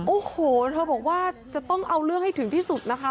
โอ้โหเธอบอกว่าจะต้องเอาเรื่องให้ถึงที่สุดนะคะ